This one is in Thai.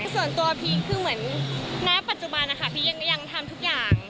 ส่วนตัวพีคคือเหมือนณปัจจุบันนะคะพีคยังทำทุกอย่าง